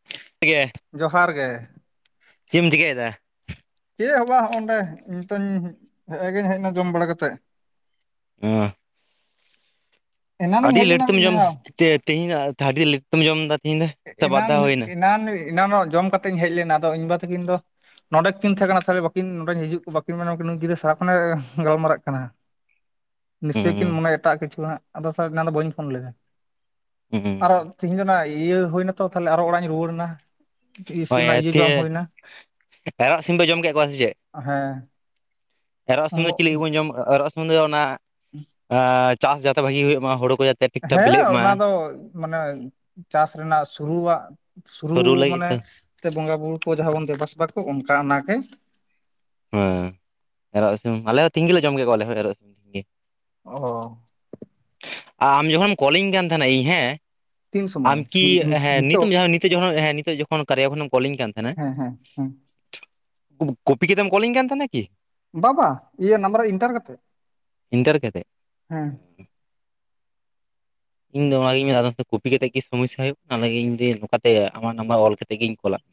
[unintelligible] ᱡᱚᱦᱟᱨ ᱜᱮ ᱪᱮᱫ ᱮᱢ ᱪᱤᱠᱟᱹᱭᱮᱫᱟ? ᱪᱮᱫ ᱦᱚᱸ ᱵᱟᱝ ᱦᱚᱸ-ᱚᱱᱰᱮ ᱱᱤᱛᱚᱜ ᱤᱧ ᱦᱮᱸᱻᱮ ᱜᱤᱧ ᱦᱮᱡ ᱮᱱᱟ ᱡᱚᱢ ᱵᱟᱲᱟ ᱠᱟᱛᱮᱫ ᱚ ᱮᱱᱟᱱᱤᱧ ᱟᱹᱰᱤ ᱦᱮᱡ ᱞᱮᱴ ᱞᱮᱱᱟ ᱛᱮᱢ ᱢᱤᱫ ᱡᱚᱢ ᱫᱷᱟᱣ ᱛᱮ ᱛᱮᱦᱤᱧᱟᱜ ᱟᱹᱰᱤ ᱞᱮᱴ ᱛᱮᱢ ᱡᱚᱢ ᱮᱫᱟ ᱛᱮᱦᱤᱧ ᱫᱚ [unintelligible] ᱵᱟᱨᱫᱷᱟᱮ ᱦᱩᱭ ᱮᱱᱟ ᱮᱱᱟᱝᱚᱜ ᱡᱚᱢ ᱠᱟᱛᱮᱧ ᱦᱮᱡ ᱞᱮᱱᱟ ᱟᱫᱚ ᱤᱧ ᱵᱟ ᱛᱟᱹᱠᱤᱱ ᱫᱚ ᱱᱚᱰᱮ ᱠᱤᱱ ᱛᱟᱦᱮ ᱠᱟᱱᱟ ᱛᱟᱦᱚᱞᱮ ᱵᱟᱠᱤᱱ ᱱᱚᱰᱮ ᱦᱤᱡᱩᱜ ᱵᱟᱠᱤᱱ ᱢᱮᱱᱟ ᱱᱩᱭ ᱜᱤᱫᱨᱟᱹ ᱥᱟᱦ ᱠᱷᱚᱱᱮ ᱜᱟᱞ ᱢᱟᱨᱟᱜ ᱠᱟᱱᱟ [unintelligible] ᱱᱤᱥᱪᱳᱭ ᱠᱤᱱ ᱦᱩᱸ ᱢᱚᱱᱮᱭᱟ ᱮᱴᱟᱜ ᱠᱤᱪᱷᱩ ᱦᱟᱸᱜ ᱟᱫ ᱥᱮ ᱮᱱᱟ ᱫᱚ ᱵᱟᱹᱧ ᱯᱷᱳᱱ ᱞᱮᱫᱟ ᱦᱮ ᱟᱨ ᱛᱤᱦᱤᱧ ᱫᱚ ᱚᱱᱟ ᱤᱭᱟᱹ ᱦᱩᱭᱱᱟᱛᱚ ᱛᱟᱦᱞᱮ ᱟᱨᱚ ᱚᱲᱟᱜ ᱤᱧ ᱨᱩᱣᱟᱹᱲ ᱮᱱᱟ᱾ ᱤᱥ ᱦᱳᱭ ᱚᱱᱟ ᱤᱭᱟᱹ ᱛᱤᱭᱮ ᱡᱚᱢ ᱦᱩᱭᱱᱟ ᱯᱟᱭᱨᱟᱜ ᱥᱤᱢ ᱯᱮ ᱡᱚᱢ ᱠᱮᱫ ᱠᱚᱣᱟ ᱥᱮ ᱪᱮᱫ? ᱦᱮᱸ ᱮᱨᱚᱜ ᱥᱤᱢ ᱩᱸᱜ ᱫᱚ ᱪᱮᱫ ᱞᱟᱜᱤᱫ ᱵᱚᱱ ᱡᱚᱢ ᱮᱨᱚᱜ ᱥᱤᱢ ᱫᱚ ᱚᱱᱟ ᱪᱟᱥ ᱡᱟᱛᱮ ᱵᱷᱟᱹᱜᱤ ᱦᱩᱭᱩᱜ ᱢᱟ ᱦᱩᱲᱩ ᱠᱚ ᱡᱟᱛᱮ ᱴᱷᱤᱠ ᱴᱷᱟᱠ ᱦᱮᱸ ᱵᱤᱞᱤᱜ ᱢᱟ ᱚᱱᱟ ᱫᱚ ᱢᱟᱱᱮ ᱪᱟᱥ ᱨᱮᱱᱟᱜ ᱥᱩᱨᱩᱣᱟᱜ ᱥᱩᱨᱩ ᱞᱟᱹᱜᱤᱫ ᱢᱟᱱᱮ ᱛᱚ ᱵᱚᱸᱜᱟ ᱵᱩᱨᱩ ᱠᱚ ᱡᱟᱦᱟᱸ ᱵᱚᱱ ᱫᱮᱵᱟᱥᱮᱵᱟ ᱠᱚ ᱚᱱᱠᱟ ᱚᱱᱟᱜᱮ ᱦᱮᱸ ᱮᱨᱚᱜ ᱥᱤᱢ ᱟᱞᱮ ᱦᱚᱸ ᱛᱤᱸᱧ ᱜᱮ ᱞᱮ ᱡᱚᱢ ᱠᱮᱫ ᱠᱚᱣᱟ ᱟᱞᱮ ᱦᱚᱸ ᱮᱨᱚᱜ ᱥᱤᱢ ᱚ ᱟᱢ ᱡᱚᱠᱷᱚᱱᱮᱢ ᱠᱚᱞ ᱤᱧ ᱠᱟᱱ ᱛᱟᱦᱮᱱᱟ ᱤᱧ ᱦᱮᱸ ᱛᱤᱱ ᱟᱢ ᱥᱚᱢᱚᱭ ᱠᱤ ᱦᱮᱸ ᱱᱤᱛᱳ ᱱᱤᱛᱚᱜ ᱡᱟᱦᱟᱸ ᱱᱤᱛᱳᱜ ᱡᱚᱠᱷᱚᱱ ᱦᱮᱸ ᱱᱤᱛᱳᱜ ᱡᱚᱠᱷᱚᱱ ᱠᱟᱨᱭᱟ ᱠᱷᱚᱱᱮᱢ ᱠᱚᱞᱤᱧ ᱠᱟᱱ ᱛᱟᱦᱮ ᱦᱮᱸ ᱦᱮᱸ ᱦᱮᱸ ᱠᱚᱯᱤ ᱠᱮᱛᱟᱢ ᱠᱚᱞᱤᱧ ᱠᱟᱱ ᱛᱟᱦᱮᱱᱟ ᱠᱤ ᱵᱟ-ᱵᱟ ᱤᱭᱟᱹ ᱱᱟᱢᱵᱟᱨ ᱤᱱᱴᱟᱨ ᱠᱟᱛᱮᱜ ᱤᱱᱴᱟᱨ ᱠᱟᱛᱮᱫ ᱦᱮᱸ ᱤᱧᱫᱚ ᱚᱱᱟᱜᱤᱧ ᱢᱮᱱ ᱮᱫᱟ ᱟᱫᱚ ᱠᱚᱯᱤ ᱠᱟᱛᱮᱫ ᱠᱤ ᱥᱚᱢᱚᱥᱥᱟ ᱦᱩᱭᱩᱜᱼᱠᱟᱱᱟ ᱚᱱᱟᱜᱤᱧ ᱱᱚᱝᱠᱟᱛᱮ ᱟᱢᱟᱜ ᱱᱟᱢᱵᱟᱨ ᱚᱞ ᱠᱟᱛᱮ ᱜᱤᱧ ᱠᱚᱞᱟᱫ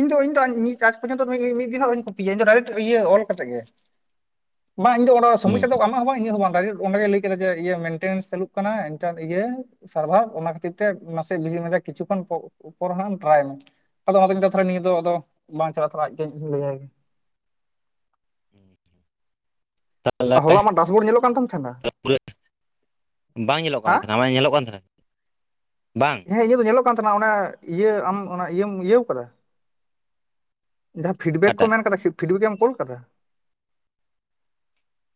ᱤᱧ ᱫᱚ ᱤᱧ ᱫᱚ ᱤᱧ ᱟᱡᱽ ᱯᱚᱨᱡᱚᱱᱛᱚ ᱢᱤᱫ ᱫᱤᱱ ᱦᱚᱸ ᱟᱶᱨᱤᱧ ᱠᱩᱯᱤᱭᱟ ᱤᱧ ᱫᱚ ᱰᱟᱭᱨᱮᱠᱴ ᱤᱭᱟᱹ ᱚᱞ ᱠᱟᱛᱮ ᱜᱮ ᱵᱟᱝ ᱤᱧ ᱫᱚ ᱚᱰᱮ ᱢᱮᱭᱟ᱾ ᱥᱚᱢᱚᱥᱥᱟ ᱫᱚ ᱟᱢᱟᱜ ᱦᱚᱸ ᱵᱟᱝ ᱤᱧᱟᱜ ᱦᱚᱸ ᱵᱟᱝ ᱰᱟᱭᱨᱮᱠᱴ ᱚᱸᱰᱮ ᱜᱮ ᱞᱟᱹᱭ ᱠᱮᱫᱟ ᱡᱮ ᱤᱭᱟᱹ ᱢᱮᱱᱴᱮᱱᱥ ᱪᱟᱞᱩᱜ ᱠᱟᱱᱟ ᱮᱱᱴᱟᱨ ᱤᱭᱟᱹ ᱥᱟᱨᱵᱷᱟᱨ ᱚᱱᱟ ᱠᱷᱟᱹᱛᱤᱨ ᱛᱮ ᱱᱟᱥᱮ ᱵᱤᱡᱤ ᱢᱮᱱ ᱮᱫᱟ ᱠᱤᱪᱷᱩ ᱠᱷᱚᱱ ᱯᱚ ᱯᱚᱨ ᱦᱟᱸᱜ ᱟᱢ ᱴᱨᱟᱭ ᱢᱮ ᱟᱫᱚ ᱚᱱᱟ ᱫᱚ ᱤᱧ ᱫᱚ ᱛᱟᱦᱚᱞᱮ ᱱᱤᱭᱟᱹ ᱫᱚ ᱟᱫᱚ ᱵᱟᱝ ᱪᱟᱞᱟᱜ ᱛᱚᱨᱟᱭᱟᱜ ᱠᱟᱹᱭᱟᱹᱧ ᱦᱩᱸ ᱦᱚᱞᱟ ᱟᱢᱟᱜ ᱰᱟᱥᱵᱳᱨᱰ ᱧᱮᱞᱚᱜ ᱠᱟᱱ ᱛᱟᱢ ᱛᱟᱦᱮᱱᱟ [unintelligible] ᱯᱩᱨᱟᱹ ᱵᱟᱝ ᱧᱮᱞᱚᱜ ᱠᱟᱱ ᱦᱮᱸ ᱛᱟᱦᱮᱱᱟ ᱟᱢᱟᱜ ᱧᱮᱞᱚᱜ ᱠᱟᱱ ᱛᱟᱦᱮᱱᱟ ᱵᱟᱝ ᱦᱮᱸ ᱤᱧᱟᱹᱜ ᱫᱚ ᱧᱮᱞᱚᱜ ᱠᱟᱱ ᱛᱟᱦᱮᱱᱟ ᱚᱱᱟ ᱤᱭᱟᱹ ᱟᱢ ᱚᱱᱟ ᱤᱭᱟᱹᱢ ᱤᱭᱟᱹ ᱟᱠᱟᱫᱟ ᱡᱟᱦᱟᱸ ᱯᱷᱤᱰᱵᱮᱠ ᱠᱚ ᱚᱠᱟᱴᱟᱜ ᱢᱮᱱ ᱟᱠᱟᱫᱟ ᱯᱷᱤᱰᱵᱮᱠ ᱮᱢ ᱠᱳᱞ ᱟᱠᱟᱫᱟ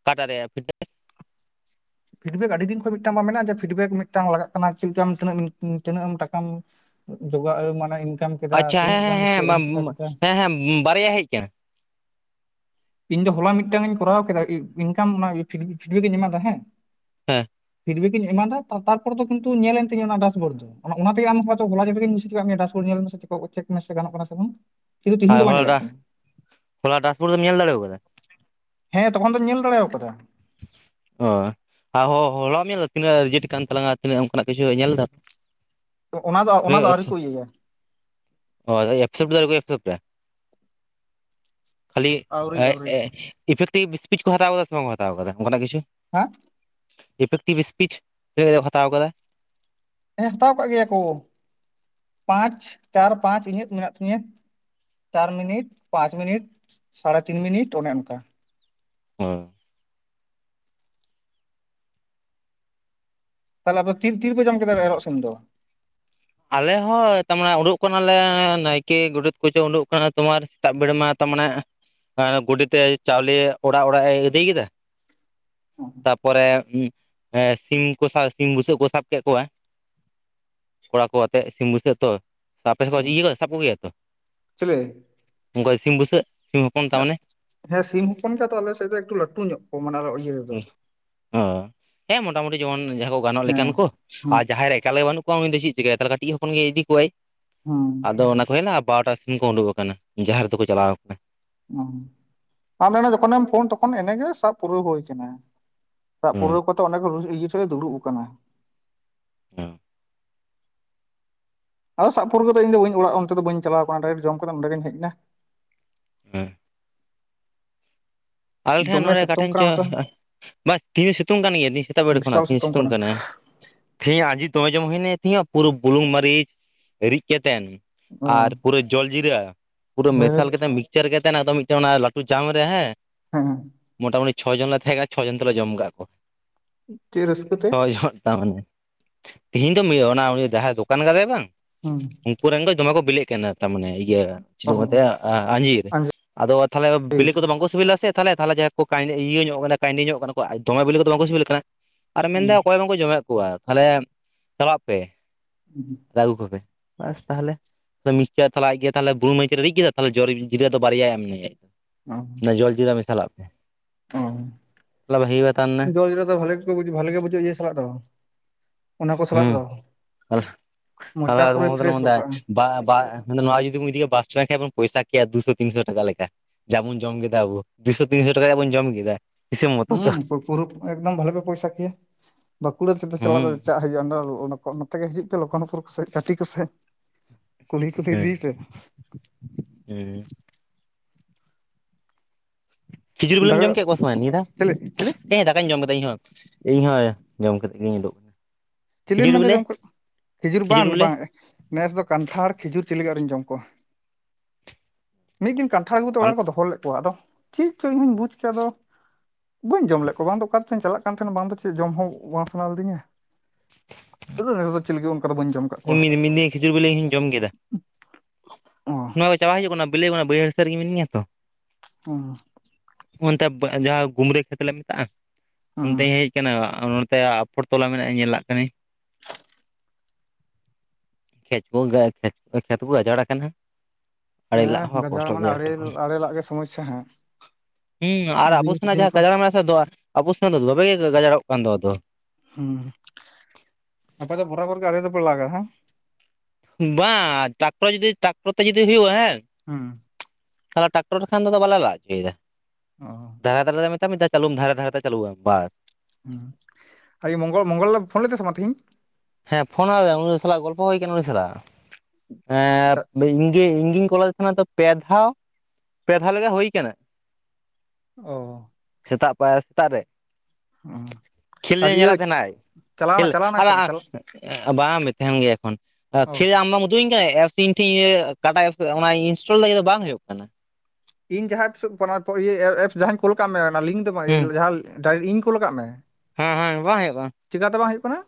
ᱚᱠᱟᱴᱟᱜ ᱨᱮᱭᱟ ᱯᱷᱤᱰᱵᱮᱠ ᱯᱷᱤᱰᱵᱮᱠ ᱟᱹᱰᱤ ᱫᱤᱱ ᱠᱷᱚᱱ ᱢᱤᱫᱴᱟᱝ ᱢᱮᱱᱟᱜᱼᱟ ᱡᱮ ᱯᱷᱤᱰᱵᱮᱠ ᱢᱤᱫᱴᱟᱝ ᱞᱟᱜᱟᱜ ᱠᱟᱱᱟ ᱪᱮᱫ ᱞᱮᱠᱟᱢ ᱛᱤᱱᱟᱹᱜ ᱮᱢ ᱴᱟᱠᱟᱢ ᱡᱚᱜᱟᱣ ᱟᱹᱜᱩ ᱢᱟᱱᱮ ᱤᱱᱠᱟᱢ ᱠᱮᱫᱟ ᱟᱪᱪᱷᱟ ᱦᱮᱸ ᱛᱤᱱᱟᱹᱜ ᱜᱟᱱ ᱦᱮᱸ ᱪᱮᱫ ᱮᱢ ᱪᱮᱠᱟ ᱠᱮᱫᱟ ᱦᱮᱸ ᱦᱮᱸ ᱦᱮᱸ ᱵᱟᱨᱭᱟ ᱦᱮᱡ ᱟᱠᱟᱱᱟ ᱤᱧ ᱫᱚ ᱦᱚᱞᱟ ᱢᱤᱫᱴᱟᱝ ᱤᱧ ᱠᱚᱨᱟᱣ ᱠᱮᱫᱟ ᱤᱱᱠᱟᱢ ᱚᱱᱟ ᱯᱷᱤᱰᱵᱮᱠ ᱤᱧ ᱮᱢ ᱟᱫᱟ ᱦᱮᱸ ᱦᱮᱸ ᱯᱷᱤᱰᱵᱮᱠ ᱤᱧ ᱮᱢᱟᱫᱟ ᱛᱟᱨᱯᱚᱨ ᱫᱚ ᱠᱤᱱᱛᱩ ᱧᱮᱞᱮᱱ ᱛᱤᱧᱟᱹ ᱚᱱᱟ ᱰᱟᱥᱵᱳᱨ ᱫᱚ ᱚᱱᱟᱛᱮᱜᱮ ᱟᱢ ᱦᱚᱭᱛᱚ ᱦᱚᱞᱟ ᱡᱚᱠᱜᱟᱡ ᱤᱧ ᱢᱤᱥᱴᱮᱠ ᱟᱫᱢᱮᱭᱟ ᱰᱟᱥ ᱵᱳᱲ ᱧᱮᱞ ᱢᱮ ᱥᱮ ᱜᱚᱱᱚᱜ ᱠᱟᱱᱟ ᱥᱮ ᱵᱟᱝ ᱠᱤᱱᱛᱩ ᱛᱤᱦᱤᱧ ᱟᱨ ᱫᱚ ᱵᱟᱝ ᱦᱳᱭ ᱚᱱᱟ ᱧᱮᱞᱚᱜ ᱠᱟᱱᱟ ᱦᱚᱞᱟ ᱰᱟᱥᱵᱳᱲ ᱫᱚᱢ ᱧᱮᱞ ᱫᱟᱲᱮ ᱟᱠᱟᱫᱟ ᱦᱮᱸ ᱛᱚᱠᱷᱚᱱ ᱫᱚᱧ ᱧᱮᱞ ᱫᱟᱲᱮ ᱟᱠᱟᱫᱟ ᱚ ᱟᱨ ᱦᱚᱸ ᱦᱚᱞᱟᱢ ᱧᱮᱞ ᱞᱮᱫᱟ ᱛᱤᱱᱟᱹᱜ ᱨᱮᱡᱮᱴ ᱥᱠᱟᱱ ᱛᱟᱞᱟᱝ-ᱟ ᱛᱤᱱᱟᱜ ᱚᱱᱠᱟᱱᱟᱜ ᱠᱤᱪᱷ ᱧᱮᱞ ᱞᱮᱫᱟᱢ ᱚᱱᱟ ᱫᱚ ᱚᱱᱟ ᱫᱚ ᱟᱹᱣᱨᱤ ᱠᱚ ᱤᱭᱟᱹᱭᱟ ᱦᱳᱭ ᱮᱠᱥᱮᱯᱴ ᱫᱚ ᱟᱶᱨᱤ ᱠᱚ ᱮᱠᱥᱮᱯᱴ-ᱟ ᱠᱷᱟᱹᱞᱤ ᱟᱹᱣᱨᱤ ᱟᱹᱣᱨᱤ ᱤᱯᱷᱮᱠᱴᱤᱵᱷ ᱥᱯᱤᱪ ᱠᱚ ᱦᱟᱛᱟᱣ ᱟᱠᱟᱫᱟ ᱥᱮ ᱵᱟᱝ ᱠᱚ ᱦᱟᱛᱟᱣ ᱟᱠᱟᱫᱟ ᱚᱱᱠᱟᱱᱟᱜ ᱠᱤᱪᱷᱩ ᱦᱮᱸ ᱤᱯᱷᱮᱠᱴᱤᱵᱽ ᱤᱥᱯᱤᱪ ᱪᱮᱫ ᱦᱟᱛᱟᱣ ᱟᱠᱟᱫᱟ? ᱦᱮᱸ, ᱦᱟᱛᱟᱣ ᱠᱟᱜ ᱜᱮᱭᱟ ᱠᱚ, ᱯᱟᱸᱪ ᱪᱟᱨ ᱯᱟᱸᱪ ᱤᱧᱟᱹᱜ ᱢᱮᱱᱟᱜ ᱛᱤᱧᱟᱹ᱾ ᱪᱟᱨ ᱢᱤᱱᱤᱴ, ᱯᱟᱸᱪ ᱢᱤᱱᱤᱴ, ᱥᱟᱲᱮ ᱛᱤᱱ ᱢᱤᱱᱤᱴ ᱚᱱᱮ ᱚᱱᱠᱟ ᱾ ᱦᱳᱭ ᱾ ᱛᱟᱦᱚᱞᱮ ᱟᱯᱮ ᱛᱤᱱ ᱨᱮᱯᱮ ᱡᱚᱢ ᱠᱮᱫᱟ ᱮᱨᱚᱜ ᱥᱤᱢ ᱫᱚ? ᱟᱞᱮ ᱦᱚᱸ, ᱛᱟᱨᱢᱟᱱᱮ ᱩᱰᱩᱜ ᱠᱟᱱᱟᱞᱮ ᱱᱟᱭᱠᱮ, ᱜᱚᱰᱮᱛ ᱠᱚᱪᱚ ᱩᱰᱩᱜ ᱠᱟᱱᱟ ᱛᱳᱢᱟᱨ ᱥᱮᱛᱟᱜ ᱵᱮᱲᱟ ᱢᱟ ᱛᱟᱨᱢᱟᱱᱮ ᱮ ᱜᱳᱰᱮᱛ ᱮ ᱪᱟᱣᱞᱮ ᱚᱲᱟᱜ ᱚᱲᱟᱜ ᱮ ᱟᱹᱫᱟᱹᱭ ᱠᱮᱫᱟ, ᱛᱟᱯᱚᱨᱮ ᱥᱤᱢ ᱠᱚ ᱥᱤᱢ ᱵᱩᱥᱟᱹᱜ ᱠᱚ ᱥᱟᱵ ᱠᱮᱫ ᱠᱚᱣᱟ ᱾ ᱠᱚᱲᱟ ᱠᱚ ᱟᱛᱮ ᱥᱤᱢ ᱵᱩᱥᱟᱹᱜ ᱛᱚ, ᱟᱯᱮ ᱥᱮᱫ ᱤᱭᱟᱹ ᱥᱟᱵ ᱠᱚᱜᱮᱭᱟ ᱛᱚ? ᱪᱤᱞᱤ ᱩᱱᱠᱟ ᱥᱤᱢ ᱵᱩᱥᱟᱹᱜ ᱥᱤᱢ ᱦᱚᱯᱚᱱ ᱛᱟᱨᱢᱟᱱᱮ ᱦᱮᱸ, ᱥᱤᱢ ᱦᱚᱯᱚᱱ ᱜᱮ ᱛᱚ ᱟᱞᱮ ᱥᱮᱫ ᱫᱚ ᱮᱠᱴᱩ ᱞᱟᱹᱴᱩ ᱧᱚᱜ ᱠᱚᱣᱟ ᱢᱟᱱᱮ ᱟᱨ ᱤᱭᱟᱹ ᱨᱮᱫᱚ ᱾ ᱦᱮᱸ, ᱢᱚᱴᱟᱢᱩᱴᱤ ᱡᱮᱢᱚᱱ ᱡᱟᱦᱟᱸᱭ ᱠᱚ ᱜᱟᱱᱚᱜ ᱞᱮᱠᱟᱱ ᱦᱮᱸ ᱠᱚ ᱦᱩᱸ ᱟᱨ ᱡᱟᱦᱟᱸᱭ ᱨᱮ ᱮᱠᱟᱞ ᱜᱮ ᱵᱟᱹᱱᱩᱜ ᱠᱚᱣᱟ, ᱩᱱᱤ ᱫᱚ ᱪᱮᱫ? ᱪᱤᱠᱟᱭᱟ ᱛᱟᱦᱚᱞᱮ ᱠᱟᱹᱴᱤᱡ ᱦᱚᱯᱚᱱ ᱜᱮ ᱤᱫᱤ ᱠᱚᱣᱟᱭ, ᱦᱩᱸ ᱟᱫᱚ ᱚᱱᱟ ᱠᱚ ᱦᱮᱡ ᱱᱟ ᱵᱟᱨᱴᱟ ᱥᱤᱢ ᱠᱚ ᱩᱰᱩᱠ ᱟᱠᱟᱱᱟ, ᱡᱟᱦᱮᱨ ᱫᱚᱠᱚ ᱪᱟᱞᱟᱣ ᱟᱠᱟᱱᱟ ᱾ ᱚ, ᱟᱢ ᱢᱮᱱᱟ ᱡᱚᱠᱷᱚᱱᱮᱢ ᱯᱷᱳᱱ ᱛᱚᱠᱷᱚᱱ ᱮᱱᱮ ᱜᱮ ᱥᱟᱵ ᱯᱩᱨᱟᱹᱣ ᱦᱩᱭ ᱠᱟᱱᱟ ᱾ ᱥᱟᱵ ᱦᱮᱸ ᱯᱩᱨᱟᱹᱣ ᱠᱚ ᱠᱟᱛᱮ ᱚᱸᱰᱮ ᱤᱭᱟᱹ ᱴᱷᱮᱱ ᱞᱮ ᱫᱩᱲᱩᱵ ᱟᱠᱟᱱᱟ ᱾ ᱚ ᱾ ᱟᱫᱚ ᱥᱟᱵ ᱯᱩᱨᱟᱹᱣ ᱠᱟᱛᱮ ᱤᱧᱫᱚ ᱚᱲᱟᱜ ᱚᱱᱛᱮ ᱫᱚ ᱵᱟᱹᱧ ᱪᱟᱞᱟᱣ ᱟᱠᱟᱱᱟ, ᱰᱟᱭᱨᱮᱴ ᱡᱚᱢ ᱠᱟᱛᱮ ᱚᱸᱰᱮ ᱜᱮᱧ ᱦᱮᱡ ᱮᱱᱟ ᱾ ᱦᱮᱸ ᱾ ᱟᱞᱮ ᱴᱷᱮᱱ ᱫᱚᱢᱮ ᱱᱚᱸᱰᱮ ᱥᱤᱛᱩᱝ ᱚᱠᱟᱴᱷᱮᱱ ᱠᱟᱱᱟ ᱪᱚ, ᱱᱚᱛᱮ ᱵᱟᱥ ᱛᱮᱦᱤᱧ ᱥᱤᱛᱩᱝ ᱠᱟᱱ ᱜᱮᱭᱟ ᱛᱮᱦᱤᱧ ᱥᱮᱛᱟᱜ ᱵᱮᱲ ᱠᱷᱚᱱᱟᱜ ᱛᱮᱦᱤᱧ ᱥᱤᱛᱩᱝ ᱠᱟᱱᱟ ᱾ ᱛᱮᱦᱮᱧ ᱟᱡᱤᱨ ᱫᱚᱢᱮ ᱡᱚᱢ ᱦᱩᱭᱱᱟ ᱛᱤᱦᱤ ᱱᱚᱜ ᱯᱩᱨᱟᱹ ᱵᱩᱞᱩᱝ ᱢᱟᱹᱨᱤᱪ ᱨᱤᱫ ᱠᱟᱛᱮᱱ ᱚ ᱾ ᱟᱨ ᱯᱩᱨᱟᱹ ᱡᱚᱞ ᱡᱤᱨᱟᱹ ᱯᱩᱨᱟᱹ ᱢᱮᱥᱟᱞ ᱦᱟᱹᱴ ᱠᱟᱛᱮ ᱢᱤᱠᱪᱟᱨ ᱠᱟᱛᱮ ᱚᱱᱟ ᱫᱚ ᱢᱤᱫᱴᱮᱱ ᱚᱱᱟ ᱞᱟᱹᱴᱩ ᱡᱟᱢ ᱨᱮ ᱦᱮᱸ, ᱦᱮᱸ ᱢᱚᱴᱟᱢᱩᱴᱤ ᱪᱷᱚ ᱡᱚᱱ ᱞᱮ ᱛᱟᱦᱮᱸ ᱠᱟᱱᱟ, ᱪᱷᱚ ᱡᱚᱱ ᱛᱮᱞᱮ ᱡᱚᱢ ᱠᱟᱜ ᱠᱚ ᱪᱮᱫ ᱨᱟᱹᱥᱠᱟᱹ ᱛᱮ ᱪᱷᱚ ᱡᱚᱱ ᱛᱟᱨᱢᱟᱱᱮ ᱾ ᱛᱤᱦᱤᱧ ᱫᱚ ᱚᱱᱟ ᱩᱱᱤ ᱡᱟᱦᱟᱸᱭ ᱫᱚᱠᱟᱱ ᱠᱟᱫᱟᱭ ᱵᱟᱝ, ᱦᱩᱸ ᱩᱱᱠᱩ ᱨᱮᱱ ᱫᱚ ᱫᱚᱢᱮ ᱠᱚ ᱵᱤᱞᱤᱜ ᱠᱟᱱᱟ ᱾ ᱛᱟᱨ ᱢᱟᱱᱮ ᱤᱭᱟᱹ ᱪᱮᱫ ᱚ ᱢᱮᱛᱟᱜ ᱟᱻᱟᱡᱤᱨ ᱟᱫᱚ ᱛᱟᱦᱚᱞᱮ ᱟᱸᱡᱤᱨ ᱵᱤᱞᱤ ᱠᱚᱫᱚ ᱵᱟᱝᱠᱚ ᱥᱤᱵᱤᱞᱟ ᱛᱮ ᱛᱟᱦᱮ ᱡᱟᱦᱟᱸ ᱤᱭᱟᱹ ᱧᱚᱜ ᱠᱟᱱᱟ ᱠᱟᱺᱭᱰᱤ ᱧᱚᱜ ᱠᱟᱱᱟ ᱫᱚᱢᱮ ᱵᱤᱞᱤ ᱠᱚᱫᱚ ᱵᱟᱝ ᱠᱩ ᱥᱤᱵᱤᱞ ᱠᱟᱱᱟ ᱟᱨ ᱦᱩᱸ ᱢᱮᱱᱫᱟ ᱚᱠᱚᱭ ᱡᱚ-ᱢᱮᱫ ᱠᱚᱣᱟ ᱛᱟᱦᱚᱞᱮ ᱪᱟᱞᱟᱜ ᱯᱮ ᱾ ᱦᱩᱸ ᱾ ᱫᱟ ᱟᱜᱩ ᱠᱚᱯᱮ ᱵᱟᱥ ᱛᱟᱦᱚᱞᱮ ᱢᱤᱥᱪᱟᱨ ᱛᱟᱦᱚᱞᱮ ᱟᱡ ᱜᱮ ᱛᱟᱦᱚᱞᱮ ᱵᱩᱞᱩᱝ ᱢᱟᱹᱨᱤᱪ ᱨᱤᱫ ᱠᱮᱫᱟ ᱛᱟᱦᱚᱞᱮ ᱡᱚᱞ ᱡᱤᱨᱟᱹ ᱫᱚ ᱵᱟᱨᱭᱟ ᱮᱢ ᱱᱟ ᱟᱡ ᱫᱚ ᱾ ᱢᱮᱱ ᱫᱟ ᱡᱚᱞ ᱡᱤᱨᱟᱹ ᱢᱮᱥᱟᱞᱟᱜ ᱯᱮ ᱾ ᱚ, ᱡᱚᱞ ᱡᱤᱨᱟᱹ ᱵᱷᱟᱞᱤ ᱜᱮ ᱵᱷᱟᱞᱤ ᱜᱮ ᱵᱩᱡᱚᱜᱼᱟ ᱤᱭᱟᱹ ᱥᱟᱞᱟᱜ ᱫᱚ ᱾ ᱦᱩᱸ, ᱢᱚᱪᱟ ᱟᱫᱚᱢ ᱯᱩᱨᱟᱹᱭ ᱠᱚᱫᱚ ᱞᱮ ᱯᱷᱨᱮᱥ ᱢᱮᱱ ᱜᱚᱫ ᱫᱟ ᱠᱟᱜᱼᱟ ᱵᱟ ᱵᱟ ᱢᱟᱱᱮ ᱱᱚᱣᱟ ᱡᱩᱫᱤ ᱵᱚᱱ ᱤᱫᱤᱮᱭᱟ ᱵᱟᱥ ᱴᱟᱱᱰ ᱤᱫᱤ ᱠᱮᱭᱟ ᱵᱚ ᱯᱚᱭᱥᱟᱹ ᱠᱮᱭᱟᱵᱚ ᱫᱩ ᱥᱚ ᱛᱤᱱᱥᱚ ᱴᱟᱠᱟ ᱞᱮᱠᱟ ᱡᱟᱵᱚᱱ ᱡᱚᱢ ᱠᱮᱫᱟ ᱟᱵᱚ ᱾ ᱫᱩᱥᱚ ᱛᱤᱱᱥᱚ ᱴᱟᱠᱟ ᱨᱮᱭᱟᱜ ᱵᱚᱱ ᱡᱚᱢ ᱠᱮᱫᱟ ᱾ ᱦᱩᱸ, ᱯᱩᱨᱟ ᱮᱠᱫᱚᱢ ᱵᱷᱟᱞᱤ ᱯᱮ ᱯᱚᱭᱥᱟ ᱠᱮᱭᱟ ᱵᱟᱸᱠᱩᱲᱟ ᱛᱮᱫᱚ ᱪᱟᱞᱟᱜ ᱦᱩᱸ ᱫᱚ ᱪᱟ ᱦᱤᱡᱩᱜᱼᱟ ᱱᱚᱛᱮ ᱜᱮ ᱦᱤᱡᱩᱜ ᱯᱮ ᱞᱚᱠᱠᱷᱚᱱᱚᱯᱩᱨ ᱠᱚ ᱥᱮᱜ ᱜᱷᱟᱴᱤ ᱠᱚ ᱥᱮᱜ ᱾ ᱠᱩᱞᱦᱤ ᱠᱩᱞᱦᱤ ᱦᱩᱸ ᱤᱫᱤ ᱯᱮ ᱾ ᱦᱩᱸ ᱾ ᱠᱷᱤᱡᱩᱨ ᱜᱩᱲᱮᱢ ᱫᱟᱠᱟ ᱡᱚᱢ ᱠᱮᱫ ᱠᱚᱣᱟ ᱥᱮ ᱟᱢ ᱱᱤᱭᱟᱹ ᱫᱷᱟᱣ? ᱪᱤᱞᱤ ᱪᱤᱞᱤ ᱡᱮᱸ ᱫᱟ ᱾ ᱫᱟᱠᱟᱧ ᱡᱚᱢ ᱠᱮᱫᱟ ᱤᱧ ᱦᱚᱸ ᱾ ᱤᱧ ᱦᱚᱸ ᱡᱚᱢ ᱠᱟᱛᱮ ᱜᱤᱧ ᱩᱰᱩᱠ ᱮᱱᱟ ᱾ ᱪᱤᱞᱤᱢ ᱢᱮᱱᱫᱟ ᱡᱚᱢ ᱠᱮ ᱠᱚ? ᱠᱷᱤᱡᱩᱨ ᱵᱟᱝ ᱵᱟᱝ ᱾ ᱱᱮᱥ ᱫᱚ ᱠᱟᱱᱴᱷᱟᱲ, ᱠᱷᱤᱡᱩᱨ ᱪᱤᱞᱤ ᱜᱮ ᱟᱹᱣᱨᱤᱧ ᱡᱚᱢ ᱠᱚᱣᱟ ᱾ ᱢᱤᱫ ᱫᱤᱱ ᱠᱟᱱᱴᱷᱟᱲ ᱠᱟᱱᱴᱷᱟᱲ ᱟᱜᱩᱛᱮ ᱚᱲᱟᱜ ᱨᱮ ᱠᱚ ᱫᱚᱦᱚ ᱞᱮᱫ ᱠᱚᱣᱟ, ᱟᱫᱚ ᱪᱮᱫ ᱪᱚᱝ ᱤᱧ ᱦᱚᱧ ᱵᱩᱡᱽ ᱠᱮᱭᱟ ᱟᱫᱚ ᱵᱟᱹᱧ ᱡᱚᱢ ᱞᱮᱫ ᱠᱚᱣᱟ ᱾ ᱵᱟᱝ ᱫᱚ ᱚᱠᱟᱛᱮᱪᱚᱧ ᱪᱟᱞᱟᱜ ᱠᱟᱱ ᱛᱟᱦᱮᱱᱟ, ᱵᱟᱝ ᱫᱚ ᱪᱮᱫ ᱡᱚᱢ ᱦᱚᱸ ᱵᱟᱝ ᱥᱟᱱᱟ ᱞᱤᱫᱤᱧᱟ ᱾ ᱟᱫᱚ ᱱᱮᱥ ᱫᱚ ᱪᱤᱞᱤ ᱦᱚᱸ ᱚᱱᱠᱟ ᱫᱚ ᱵᱟᱹᱧ ᱡᱚᱢ ᱠᱟᱜ ᱠᱚᱣᱟ ᱤᱧ ᱢᱤᱫ ᱫᱤᱱ ᱠᱷᱤᱡᱩᱨ ᱵᱤᱞᱤ ᱤᱧ ᱡᱚᱢ ᱠᱮᱫᱟ ᱾ ᱚ ᱱᱚᱣᱟ ᱠᱚ ᱪᱟᱵᱟ ᱦᱩᱭᱩᱜ ᱠᱟᱱᱟ ᱵᱮᱥᱤ ᱢᱟ ᱵᱟᱹᱭᱦᱟᱹᱲ ᱥᱮᱫ ᱨᱮ ᱢᱤᱱᱟᱹᱧ ᱛᱚ, ᱩ ᱚᱱᱛᱮ ᱡᱟᱦᱟᱸ ᱜᱩᱢᱲᱟᱹ ᱠᱷᱮᱛ ᱞᱮ ᱢᱮᱛᱟᱜᱼᱟ ᱦᱩᱸ ᱚᱱᱛᱮ ᱦᱮᱡ ᱠᱟᱱᱟ᱾ ᱱᱚᱛᱮ ᱟᱯᱷᱚᱨ ᱛᱚᱞᱟ ᱢᱮᱱᱟᱜᱼᱟ ᱧᱮᱞᱟᱜ ᱠᱟᱹᱱᱟᱹᱧ ᱠᱷᱮᱛ ᱠᱚ ᱠᱷᱮᱛ ᱠᱷᱮᱛ ᱠᱚ ᱜᱟᱡᱟᱲ ᱟᱠᱟᱱᱟ᱾ ᱟᱲᱮ ᱞᱟᱜ ᱦᱮᱸ ᱦᱚᱸ ᱜᱟᱡᱟᱲ ᱠᱚᱥᱴᱚ ᱢᱟᱱᱮ ᱜᱮᱭᱟ ᱟᱲᱮ ᱟᱲᱮ ᱞᱟᱜ ᱜᱮ ᱥᱚᱢᱚᱥᱥᱟ ᱦᱮᱸ ᱦᱮᱸ ᱟᱨ ᱟᱵᱚ ᱥᱮᱱᱟᱜ ᱡᱟᱦᱟᱸ ᱜᱟᱡᱟᱲ ᱢᱮᱱᱟᱜ ᱟᱥᱮ ᱫᱚ ᱟᱵᱚ ᱥᱮᱱᱟᱜ ᱫᱚ ᱫᱚᱢᱮ ᱜᱮ ᱜᱟᱡᱟᱲᱚᱜ ᱠᱟᱱ ᱫᱚ ᱟᱫᱚ ᱦᱩᱸ ᱟᱯᱮ ᱫᱚ ᱵᱚᱨᱟᱵᱚᱨ ᱜᱮ ᱟᱲᱮ ᱫᱚ ᱯᱮ ᱞᱟᱜᱼᱟ ᱦᱟᱝ ᱵᱟᱝ ᱴᱟᱠᱴᱚᱨ ᱡᱩᱫᱤ ᱴᱟᱠᱴᱚᱨ ᱛᱮ ᱡᱩᱫᱤ ᱦᱩᱭᱩᱜᱼᱟ ᱦᱮᱸ ᱦᱮᱸ ᱛᱟᱦᱚᱞᱮ ᱴᱟᱠᱴᱚᱨ ᱞᱮᱠᱷᱟᱱ ᱫᱚ ᱵᱟᱞᱮ ᱞᱟᱜ ᱦᱚᱪᱚᱭᱮᱫᱟ ᱚ ᱫᱷᱟᱨᱮ ᱫᱷᱟᱨᱮ ᱛᱮ ᱢᱮᱛᱟᱭ ᱢᱮ ᱢᱤᱫᱫᱷᱟᱣ ᱪᱟᱞᱩᱢ ᱫᱷᱟᱨᱮ ᱫᱷᱷᱟᱨᱮ ᱛᱮ ᱪᱟᱞᱩᱭᱟ ᱵᱟᱥ ᱦᱩ ᱟᱻ ᱢᱚᱜᱚᱞ ᱢᱚᱝᱜᱚᱞ ᱞᱮ ᱯᱷᱳᱱ ᱞᱮᱫᱟᱹᱭ ᱥᱮ ᱵᱟᱝ ᱛᱮᱦᱮᱧ ᱦᱮᱸ ᱯᱷᱳᱱ ᱟᱫ ᱩᱱᱤ ᱥᱟᱞᱟᱜ ᱜᱚᱞᱯᱚ ᱦᱩᱭ ᱟᱠᱟᱱᱟ ᱩᱱᱤ ᱥᱟᱞᱟᱜ ᱟᱪᱪᱷᱟ ᱮ ᱜᱮ ᱤᱧ ᱜᱤᱧ ᱠᱚᱞᱮᱫ ᱛᱟᱦᱮᱱᱟ ᱛᱚ ᱯᱮ ᱫᱷᱟᱣ ᱯᱮ ᱫᱷᱟᱣ ᱞᱮᱠᱟ ᱦᱩᱭ ᱟᱠᱟᱱᱟ ᱚ ᱥᱮᱛᱟᱜ ᱯᱟᱭᱨᱟ ᱥᱮᱛᱟᱜ ᱨᱮ ᱦᱩᱸ ᱠᱷᱮᱞ ᱟᱨ ᱤᱭᱟᱹ ᱧᱮᱞᱮᱫ ᱛᱟᱦᱮᱱᱟᱭ ᱠᱷᱮᱞ ᱪᱟᱞᱟᱣᱱᱟ ᱪᱟᱞᱟᱣᱱᱟᱭ ᱟᱨ ᱥᱮ ᱵᱟᱝ ᱪᱟᱞᱟᱜ ᱵᱟᱝ ᱢᱮ ᱛᱟᱦᱮᱱ ᱜᱮᱭᱟ ᱮᱠᱷᱚᱱ ᱚ ᱠᱷᱮᱞ ᱟᱢ ᱵᱟᱢ ᱟᱫᱩᱧ ᱠᱟᱱᱟ ᱮᱯᱥ ᱤᱧ ᱴᱷᱮᱱ ᱠᱟᱴᱟᱜ ᱮᱯᱥ ᱚᱱᱟ ᱤᱱᱥᱴᱚᱞ ᱤᱧᱟᱜ ᱫᱚ ᱵᱟᱝ ᱦᱩᱭᱩᱜ ᱠᱟᱱᱟ ᱤᱧ ᱡᱟᱦᱟᱸᱠᱩ ᱮᱯᱥ ᱡᱟᱦᱟᱸᱧ ᱠᱳᱞ ᱠᱟᱜ ᱢᱮ ᱚᱱᱟ ᱞᱤᱝᱠ ᱫᱚ ᱦᱮᱸ ᱰᱟᱭ ᱤᱧ ᱠᱩᱞ ᱠᱟᱫ ᱢᱮ ᱦᱮᱸ ᱦᱮᱸ ᱵᱟᱝ ᱦᱩᱭᱩᱜ-ᱟ ᱪᱤᱠᱟᱹᱛᱮ ᱵᱟᱝ ᱦᱩᱭᱩᱜ ᱠᱟᱱᱟ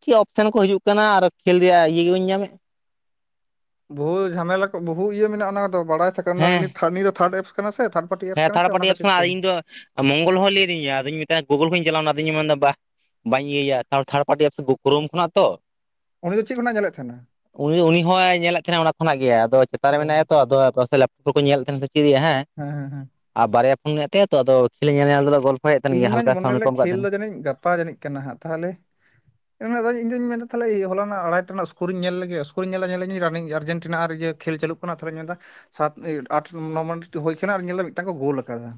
ᱪᱮᱫ ᱚᱯᱥᱮᱱ ᱠᱚ ᱦᱤᱡᱩᱜ ᱠᱟᱱᱟ ᱟᱨᱚ ᱠᱷᱮᱞ ᱨᱮᱭᱟᱜ ᱤᱭᱟᱹ ᱜᱮᱵᱟᱹᱧ ᱧᱟᱢᱮᱫ ᱵᱩᱦᱩ ᱡᱷᱟᱢᱮᱞᱟ ᱠᱚ ᱵᱚᱦᱩ ᱤᱭᱟᱹ ᱢᱮᱱᱟᱜ-ᱟ ᱚᱱᱟ ᱫᱚ ᱵᱟᱲᱟᱭ ᱛᱷᱟᱠᱟ ᱦᱮᱸ ᱱᱤᱭᱟᱹ ᱫᱚ ᱛᱷᱟᱨᱰ ᱮᱯ ᱠᱟᱱᱟ ᱥᱮ ᱛᱷᱟᱨᱰ ᱯᱟᱨᱴᱤ ᱮᱯᱥ ᱦᱮᱸ ᱠᱟᱱᱟ ᱛᱷᱟᱲ ᱥᱮ ᱚᱱᱟ ᱯᱟᱨᱴᱤ ᱮᱯᱥ ᱠᱷᱟᱹᱛᱤᱨ ᱟᱨ ᱛᱮ ᱤᱧ ᱫᱚ ᱢᱚᱝᱜᱚᱞ ᱦᱚᱸ ᱞᱟᱹᱭᱟᱫᱤᱧᱟ ᱟᱫᱚ ᱢᱮᱛᱟᱭ-ᱟᱫᱚ ᱜᱩᱜᱳᱞ ᱠᱷᱚᱱ ᱪᱟᱞᱟᱣᱱᱟ ᱟᱫᱚᱧ ᱢᱮᱱᱫᱟ ᱵᱟ ᱵᱟᱹᱧ ᱤᱭᱟᱹᱭᱟ ᱛᱷᱟᱨᱲ ᱯᱟᱨᱴᱤ ᱥᱮ ᱠᱩᱨᱩᱢ ᱠᱷᱚᱱᱟᱜ ᱛᱚ ᱩᱱᱤ ᱫᱚ ᱪᱮᱫ ᱠᱷᱚᱱᱟᱜ ᱧᱮᱞᱮᱫ ᱛᱟᱦᱮᱱᱟ ᱩᱱᱤ ᱩᱱᱤ ᱦᱚᱸᱭ ᱧᱮᱞᱮᱫ ᱛᱟᱦᱮᱱᱟ ᱚᱱᱟ ᱠᱷᱚᱱᱟᱜ ᱜᱮ ᱟᱫᱚ ᱪᱮᱛᱟᱱ ᱨᱮ ᱚ ᱢᱮᱱᱟᱭᱟ ᱛᱚ ᱟᱫᱚ ᱩᱱᱠᱩ ᱠᱚ ᱧᱮᱞ ᱛᱟᱦᱮᱱᱟ ᱥᱮ ᱪᱮᱫ-ᱟ ᱦᱮᱸ ᱦᱮᱸ ᱦᱮᱸ ᱦᱮᱸ ᱟᱨ ᱵᱟᱨᱭᱟ ᱯᱷᱳᱱ ᱢᱮᱱᱟᱜ ᱛᱟᱭᱟ ᱛᱚ ᱟᱫᱚ ᱠᱷᱮᱞ ᱧᱮᱞᱧᱮᱞ ᱛᱩᱞᱩᱡ ᱜᱚᱞᱯᱚᱭᱮᱫ ᱛᱟᱦᱮᱸᱱ ᱤᱧ ᱜᱮᱭᱟ ᱢᱟᱧ ᱦᱟᱞᱠᱟ ᱢᱚᱱᱮ ᱥᱟᱣᱩᱱ ᱠᱚᱢ ᱞᱮᱫ ᱮᱢ ᱟᱠᱟᱫ ᱠᱷᱮᱞ ᱛᱟᱦᱮᱸᱱᱟ ᱫᱚ ᱡᱟᱹᱱᱤᱡ ᱜᱟᱯᱟ ᱡᱟᱹᱱᱤᱡ ᱠᱟᱱᱟ ᱦᱟᱸᱜ ᱛᱟᱦᱚᱞᱮ ᱢᱮᱱᱮᱫᱟᱧ ᱤᱧ ᱢᱮᱱ ᱮᱫᱟ ᱛᱟᱦᱚᱞᱮ ᱦᱚᱞᱟ ᱨᱮᱱᱟᱜ ᱟᱲᱟᱭᱴᱟ ᱨᱮᱱᱟᱜ ᱥᱠᱳᱨᱤᱧ ᱧᱮᱞ ᱞᱮᱜᱮ ᱥᱠᱳᱨᱤᱧ ᱧᱮᱞᱮᱜᱮ ᱨᱟᱱᱤᱝ ᱟᱨᱡᱮᱱᱴᱤᱱᱟ ᱟᱨ ᱤᱭᱟᱹ ᱠᱷᱮᱞ ᱪᱟᱹᱞᱩᱜ ᱠᱟᱱᱟ ᱛᱟᱦᱚᱞᱮᱧ ᱢᱮᱱ ᱮᱫᱟ ᱥᱟᱛ ᱟᱴ ᱱᱚ ᱢᱮᱱᱤᱴ ᱦᱳᱭ ᱠᱟᱱᱟ ᱟᱨ ᱧᱮᱞ ᱮᱫᱟ ᱢᱤᱫᱴᱟᱝ ᱠᱚ ᱜᱳᱞ ᱟᱠᱟᱫᱟ